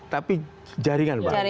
tapi jaringan pak